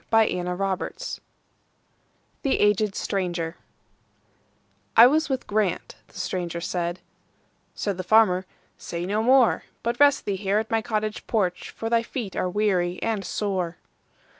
By Francis BretHarte 748 The Aged Stranger "I WAS with Grant"—the stranger said; Said the farmer, "Say no more, But rest thee here at my cottage porch, For thy feet are weary and sore."